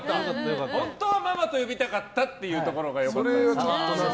本当はママと呼びたかったというところが良かったです。